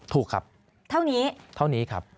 ถูกครับเท่านี้